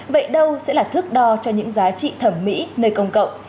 vậy đâu sẽ là thước đo cho những giá trị thẩm mỹ nơi công cộng